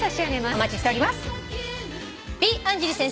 お待ちしております。